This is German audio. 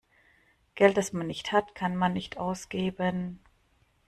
Geld, das man nicht hat, kann man nicht ausgeben.